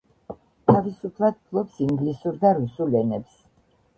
თავისუფლად ფლობს ინგლისურ და რუსულ ენებს.